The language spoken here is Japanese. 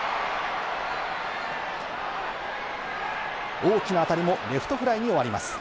大きなあたりも、レフトフライに終わります。